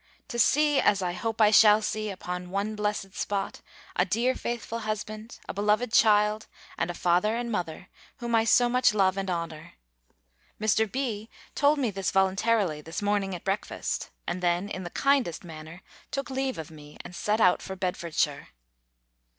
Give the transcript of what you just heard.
To see, as I hope I shall see, upon one blessed spot, a dear faithful husband, a beloved child, and a father and mother, whom I so much love and honour! Mr. B. told me this voluntarily, this morning at breakfast; and then, in the kindest manner, took leave of me, and set out for Bedfordshire.